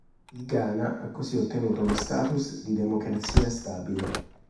Il Ghana ha così ottenuto lo status di democrazia stabile.